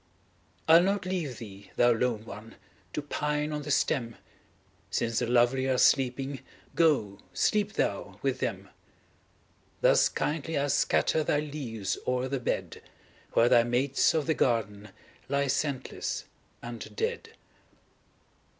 I'll not leave thee, thou lone one ! To pine on the stem ; Since the lovely are sleeping, Go sleep thou with them. Thus kindly I scatter Thy leaves o'er the bed, Where thy mates of the garden Lie scentless and dead.